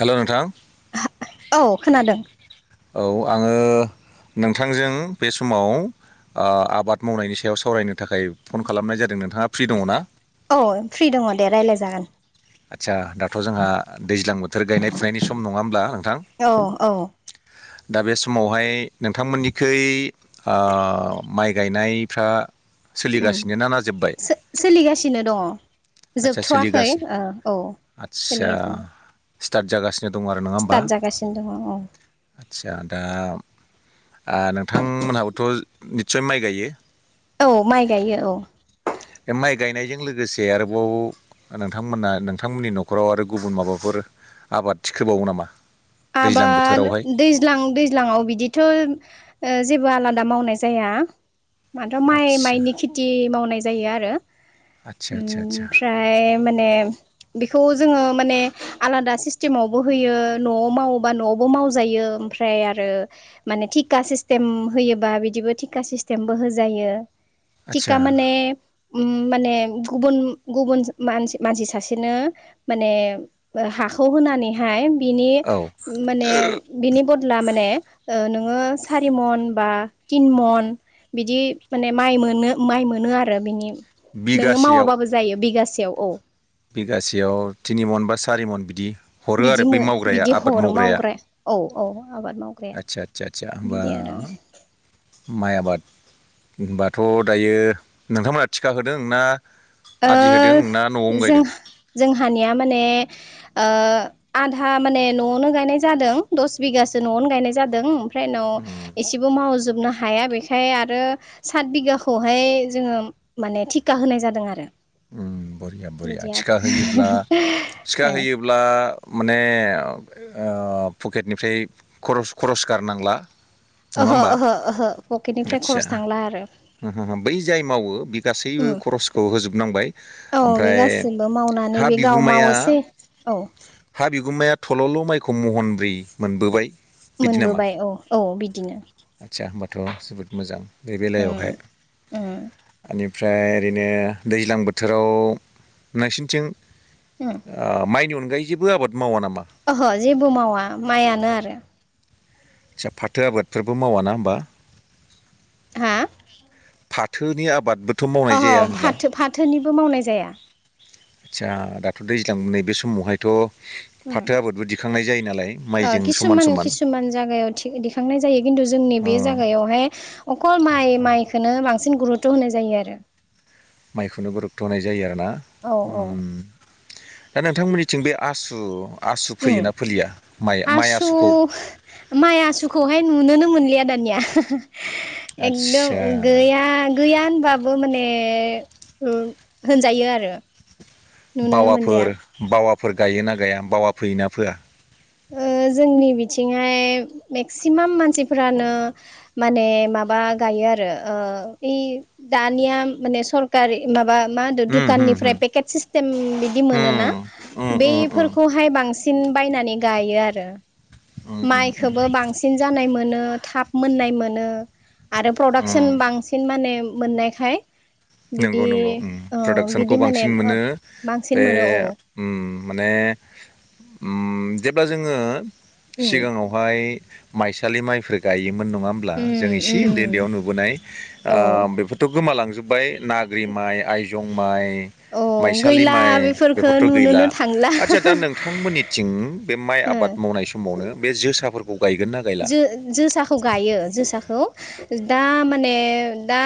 हेल' नोंथां। औ खोनादों। औ आङो नोंथांजों बे समाव ओआबाद मावनायनि सायाव सावरायनो थाखाय फन खालामनाय जादों नोंथाङा फ्रि दङ ना? औ फ्रि दङ दे राय्लाय जागोन। आदसा दाथ' जोंहा दैज्लां बोथोर गायनाय फुनायनि सम नङा होमब्ला नोंथां? अ दा बे समावहाय नोंथांमोननिखै ओ माइ गायनायफ्रा उम सोलिगासिनो न ना जोब्बाय सो-सोलिगासिनो दङ आचसा जोबथ'वाखै सोलिगासिनो ओ औ आदसा सोलिगासिनो स्टार्ट जागासिनो। दं आरो नङा होमबा स्टार्ट जागासिनो दङ औ आ दा आं नोंथांमोनहाबोथ' निस्सय माइ गायो। औ माइ गायो औ। बे माइ गायनायजों लोगोसे आरोबाव नोंथांमोना नोंथांमोननि न'खराव आरो गुबुन माबाफोर आबाद थिखोबावो नामा? दैज्लां आबाद बोथोरावहाय दैज्लां दैज्लांआव बिदिथ' जेबो आलादा मावनाय जाया माथ' माइ आदसा माइनि खेथि मावनाय जायो आरो। आदसा आदसा आदसा ओमफ्राय माने बेखौ जोङो माने आलादा सिस्टेमावबो होयो न'आव। मावोबा न'आवबो मावजायो ओमफ्राय आरो माने टिका सिसथेम होठों बिदिबो थिका सिस्टेमबो होजायो थिखा आदसा माने माने गुबुन गुबुन मानसि मानसि सासेनो माने हा हाखौ होनानैहाय बिनि औ माने बिनि बदला माने ओ नोङो सारि मन बा तिन मन बिदि माने माइ मोनो माइ मोनो आरो बिनि नोङो बिगासेयाव मावाबाबो जायो बिगासेयाव औ। बिगासेयाव थिनि मन बा सारि मन बिदि हरो बिदि आरो मो बै मावग्राया बिदि आबाद हरो मावग्राया। औ औ आबाद मावग्राया आचसा आचसा होमबा बिदि आरो ओ माइ आबाद होनबाथ' दायो नोंथांमोनहा थिका होदों ना ओ आदि होदों ना न'आवनो जों गायदों जोंहानिया माने ओ आधा माने न'आवनो गायनाय जादों दस बिगासो न'आवनो गायनाय जादों। ओमफ्राय उनाव उम इसेबो मावजोबनो ह हाया बेखाय आरो सात बिगाखौहाय जोङो माने थिका होनाय जादों आरो। बरिया बरिया बिदि आरो थिखा होयोब्ला थिखा होयोब्ला माने ओ पकेटनिफ्राय खरस खरस गारनांला नङा ओहो होमबा ओहो ओहो पकेटनिफ्राय खरस थांला आरो। ओह ह बै जाय मावो बे गासैबो उम खरसखौ होजोबनांबाय औ बे ओमफ्राय। गासिबो मावनानै हा बे गाव बिगुमाया मावोसै औ हा बिगुमाया थल'ल' माइ। खौ महनब्रै मोनबोबाय। बिदि नामा, मोनबोबाय औ औ बिदिनो आतसा होमबाथ' जोबोद मोजां बे बेलायाव। उ। [unintelligible] ओमफ्राय ओरैनो दैज्लां बोथोराव नोंसिनिथिं। उम ओ माइनि अनगायै जेबो आबाद मावा नामा ओहो जेबो मावा माइआनो आरो। सा फाथो आबादफोरबो मावााना होमबा? हा फाथोनि आबाद बो अह फाथो फाथोनिबो मावनाय जाया। आतसा दाथ' दैज्लां नैबे समावहायथ' उम फाथो आबादबो दिखांनाय जायो। नालाय ओ माइजों समान किसुमान समान किसुमान जा गायाव थि दिखांनाय जायो खिन्थु जोंनि ओ बे जायगायावहाय अखल माइ माइखौनो बांसिन गरु थ' होनाय जायो आरो। माइखौनो गरुथ' होनाय जायो आरोना औ औ उम दा नोंथांमोननिथिं बे आसु आसु फोयोना फोलिया माइ उम माइ आसु आसुखौ माइ आसुखौहाय नुनोनो मोनलिया। दानिया एकदम आदसा गैया गैया बाबो माने ओ होनजायो आरो। नुनोनो मोनलिया बावाफोर बावाफोर गायोना गाया बावा फोयोना फोया ओ जोंनि बिथिंहाय मेक्सिमाम मानसिफोरानो माने माबा गायो। आरो ओ यै दानिया माने सरकारि माबा। मा होनो उम उम दुखाननिफ्राय पेकेट सिस्टेम बिदि मोनोना उम उम उम उम बबफोरखौहाय बांसिन। बांसिन बायनानै गायो आरो उम उम माइखौबो बांसिन जानाय मोनो। थाब मोननाय मोनो आरो प्रडाक्सन बांसिन माने मोननायखाय। बिदि नंगौ नंगौ ओ प्रडाक्सनखौ बिदि माने बांसिन ओ मोनो बांसिन बे मोनो औ उम माने उम जेब्ला जोङो उम सिगाङावहाय माइसालि माइफोर गायोमोन। मोन नङा होमब्ला उम जों इसे उन्दै उम उन्दैयाव नुबोनाय ओ औ बेफोरथ' गोमालांजोब्बाय। नाग्रि माइ, आइजं माइ, औ माइसालि गैला माइ बेफोरखो बेफोरथ' गैला नुनोनो थांला आचसा दा नोंथांमोननिथिं बे माइ ओ आबाद मावनाय समावनो बे जोसाफोरखौ। गायगोन ना गायला जो-जोसाखौ गायो जोसाखौ दा माने दा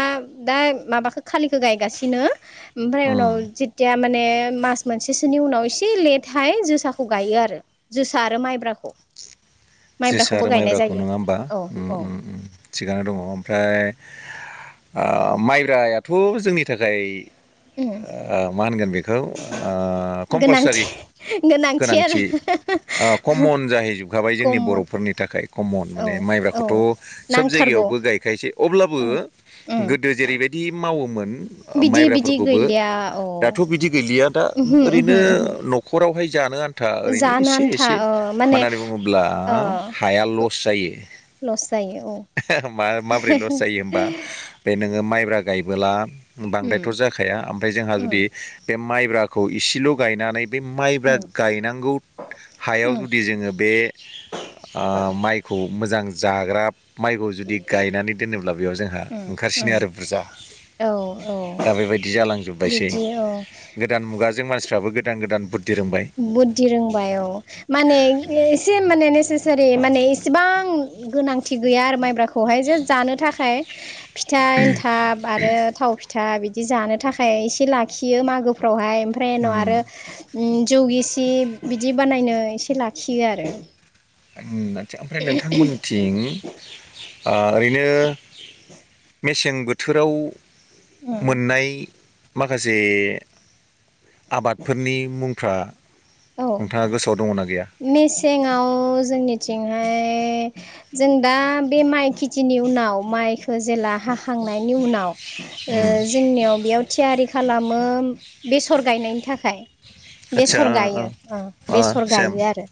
दा माबाखौ खालिखौ गायगासिनो ओमफ्राय उम उनाव जेथिया। माने मास मोनसेसोनि उनाव एसे लेटहाय जोसाखौ गायो आरो जोसा आरो माइब्राखौ। [inaudible] जोसा माइब्राखौबो आरो गायनाय माइब्राखौ जायो नङा होमबा औ औ उम थिगानो दङ ओमफ्राय। ओ माइब्रायाथ' जोंनि थाखाय उम ओ मा होनगोन बेखौ ओ कम्पालसारि गोनांथि गोनांथि ओ कमन जाहैजोबखाबाय जोंनि। खम बर'फोरनि थाखाय कमन औ माने औ माइब्राखौथ' सोब नांथारगौ जायगायावबो गायखायोसै अब्लाबो। उम उम गोदो जेरैबायदि मावो। बिदि बिदि माइब्राफोरखौबो गैलिया औ दाथ' बिदि गैलिया दा उमहो उमहो ओरैनो उमहो न'खरावहाय। आनथा ओरैनो जानो एसे आन्था एसे ओ मा माने होननानै बुङोब्ला ओ हाया लस जायो। लस जायो औ मा माब्रै लस जायो होमबा बे नोङो माइ ब्रा गायबोला उम बांद्रायथ' जाखाया ओमफ्राय जोंहा उम जुदि बे माइब्राखौ इसेल' गायनानै। बे माइब्रा उम गायनांगौ हायाव उम जुदि जोङो बे ओ माइखौ मोजां जाग्रा माइखौ जुदि गायनानै दोनोब्ला बेयाव जोंहा उम ओंखारसिनो उम आरो बुरजा औ औ दा बेबायदि जालांजोब्बायसै बिदि औ गोदान मुगाजों मानसिफ्राबो गोदान गोदान बुद बुद्धि रोंबाय औ माने एसे माने ने जेरै माने इसेबां गोनांथि गैया आरो माइब्राखौहाय जे जानो थाखाय फिथा एन्थाब आरो थाव फिथा बिदि जानो थाखाय एसे लाखियो मागोफ्रावहाय ओमफ्राय उनाव उम आरो जौ गिसि बिदि बानायनो एसे लाखियो आरो आतचा ओमफ्राय नोंथांमोनथिं ओरैनो मेसें बोथोराव मोननाय माखासे आबादफोरनि मुं फ्रा औ मेसेंआव जोंनिथिं [inaudible] जों दा बे माइ खेथिनि उनाव माइखौ जेला हाखांनायनि उनाव उम जोंनियाव बेयाव थियारि खालामो बेसर गायनायनि थाखाय आदसा बेसर ओ गायो ओ ओ -बेसर सेम गायो आरो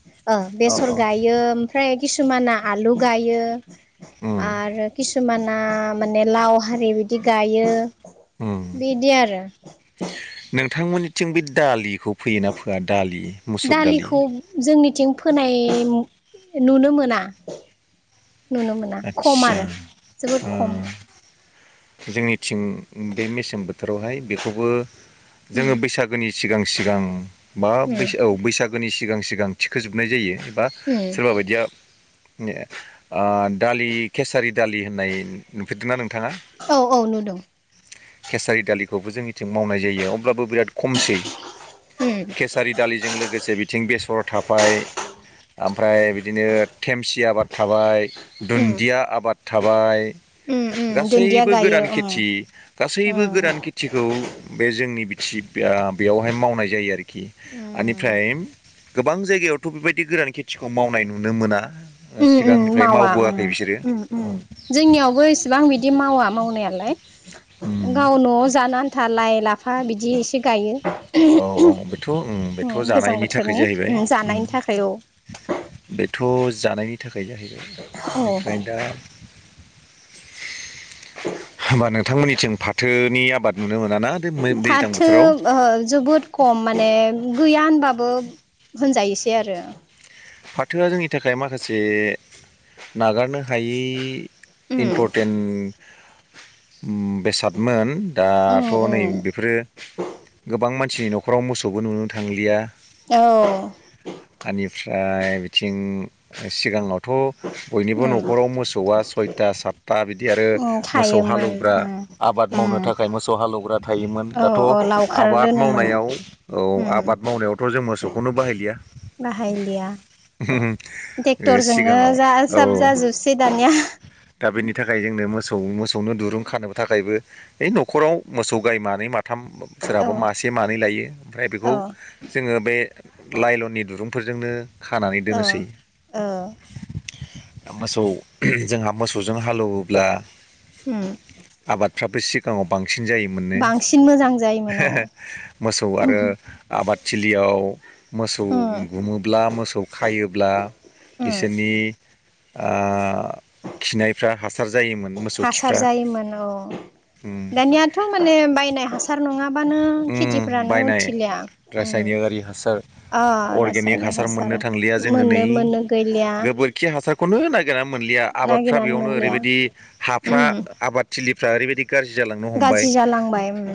अ बेसर अ गायो ओमफ्राय किसुमाना आलु गायो उम आरो किसुम सुमाना माने लाव हारि बिदि गायो उम बिदि आरो नोंथांमोननिथिं बे दालिखौ फैयोना फोया दालि मुसुर दालि दालिखौ जोंनिथिं फोनाय नुनो मोना नुनो मोना खम आदसा आरो जोबोद ओ खम जोंनिथिं बे मेसें बोथोरावहाय बेखौबो जोङो उम बैसागोनि सिगां - सिगां बा ब उम औ बैसागोनि सिगां - सिगां थिखोजोबनाय जायो बा उम सोरबा बायदिया दालि केसारि दालि होननाय नुफेरदों नना नोंथाङा औ - औ नुदों केसारि दालिखौबो जोंनिथिं मावनाय जायो अब्लाबो बिराद खमसै उम केसारि दालिजों लोगोसे बिथिं बेसर थााय ओमफ्राय बिदिनो थेमसि आबाद थाबाय दुन्दिया आबाद थाबाय उ गासैबो गोरान खेथि गासैबो उम गोरान खेथिखौ बे जोंनि सिब बेयावहाय मावनाय जायो आरोखि उम बेनिफ्राय गोबां जायगायावथ' बेबायदि गोरान खेथिखौ मावनाय नुनो मोना उम उम सिगांनिफ्राय माव मावा जोंनियावबो इसेबां बिदि मावा मावनायालाय गाव न'आव जानो आन्था लाइ, लाफा बिदि एसे गायो औ - औ बेथ' - बेथ' उम गोजां जानायनि थाखाय बोथोरनि उम जाहैबाय जानायनि थाखाय औ बेथ' जानायनि थाखाय जाहैबाय औ बेनिफ्राय दा होमबा नोंथांमोननिथिं फाथोनि आबाद नुनो मोनो फाथो जोबोद खम माने गैया होनबाबो होनजायोसै आरो फाथोआ जोंनि थाखाय माखासे नागारनो हायै उम इमपर्टेनट बेसादमोन उम दाथ' नै उम बेफोरो गोबां मान दिननि न'खराव मोसौबो नुनो थांलिया औ ओमफ्राय बिथिं सिगाङावथ' बयनिबो उम न'खराव मोसौआ सय सता बि बिदि आरो उम मोसौ थायोमोन हालौवग्रा उम आबाद मावनो उम थाखाय मोसौ हालौवग्रा थायोमोन औ दाथ' औ लावखार आबाद दोनोमोन मावनायाव औ उम आबाद मावनायावथ' जों मोसौखौनो बाहायलिया। बाहायलिया। टेक्टरजोंनो सिगाङाव जा साब जाजोबसै दानिया। बिनि थाखाय जोंनो मोसौ मोसौनो दुरुं खानोबो थाखायबो ओइ न'खराव मोसौ गाय मानै माथ थाम औ सोराबा मासे, मानै लायो ओमफ्राय बेखौ औ जोङो बे लाइलननि दुरुं। फोरजोंनो खानानै औ दोनोसै। औ मोसौ जोंहा मोसौजों हालौएवोब्ला। उम। फ्राबो सिगाङाव बां सिन जायोमोननो बांसिन मोजां जायोमोन हो औ हो मोसौ आरो उम आबाद थिलियाव मोसौ बा मोसौ खायोब्ला उम बिसोरनि आ खिनायफ्रा हासा हासार जायोमोन औ। उम दानियाथ' माने बायनाय हासार नङाबानो खेथिफ्रानो उथिलिया उम। नारि हासार अ अर्गेनिक रासायनिक हासार मोननो थांलिया जोङो नै मोननो मोननो गैलिया गोबोरखि हासारखौनो नागिरना मोनलिया। आबादफ्रा नागिरनानै बेयावनो मोनलिया ओरैबायदि हाफ्रा उम आबाद थिलिफ्रा ओरैबायदि गाज्रि जालांनो हमबाय गाज्रि जालांबाय उम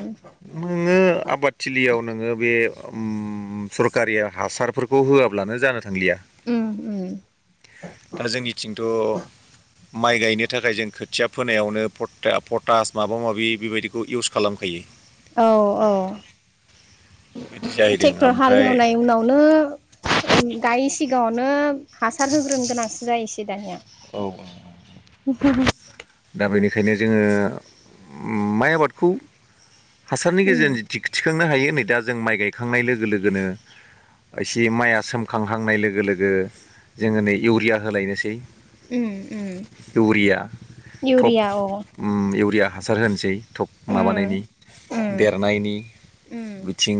नो ङो आबादथिलियाव नोङो बे उम सरकारि हासारफोरखौ होआब्लानो जानो थांलिया उम उम दा जोंनिथिं थ' माइ गायनो थाखाय जों खोथिया फोनायावनो पट-पटास माबा माबि बेबायदिखौ इउस खालामखायो। औ औ। बिदि जाहैदों टेक्टर ओमफ्राय हालहेवनाय उनाव नो दायो सिगाङावनो हासार होग्रोनो गोनांसो जायोसै दानिया। औ [unintelligible] दा बेनिखायनो जोङो माइ आबादखौ। हासारनि उम गेजेरजों थिखांनो हायो नै दा जों माइ गायखांनाय लोगो लोगोनो। एसे माइया सोमखांहांनाय लोगो लोगो जोङो नै इउरिया होलायनोसै। उम उम इउरिया टप इउरिया औ ओम इउरिया हासार होनोसै। थब उम माबानायनि उम देरनायनि उम बिथिं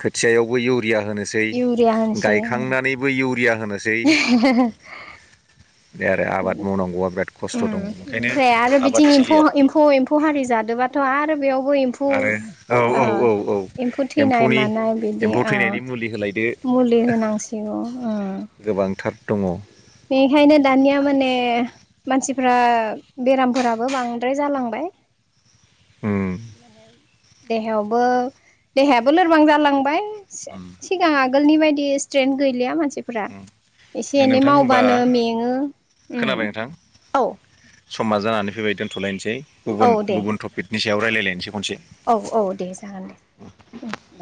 खोथियायावबो इउरिया होनोसै इउरिया होनसै गायखांनानैबो इउ [unintelligible] बे आरो आबाद मावनांगौआ बिराद उम खस्थ' दङ ओंखायनो ओमफ्राय आरो बिथिं एम्फौ आबादथिलिया एम्फौ एम्फौ हारि जादोबाथ' आरो बे एम्फौ आरो औ औ आ औ औ एम्फौ थैनाय एम्फौनि मानाय बिदि एम्फौ आ थैनायनि मुलि होलायदो मुलि होनांसिगौ आ गोबांथार दङ। दानिया माने मानसिफ्रा बेरामफोराबो बांद्राय जालांबाय। उम देहायावबो देहायाबो लोरबां जालांबाय उम सि-सिगाङा आगोलनि बायदि स्ट्रेनथ गैलिया मानसि फोरा एसे दे एनै नोंथां होनबा मावबानो मेङो उम खोनाबाय नोंथां औ। समा जानानै फैबाय दोन्थ'लायनोसै। औ गुबुन दे गुबुन टपिकनि सायाव रायलायलायनोसै खनसे। औ औ दे जागोन दे उम दे